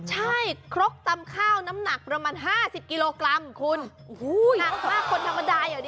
ใช่ครกตำข้าวน้ำหนักประมาณ๕๐กิโลกรัมคุณ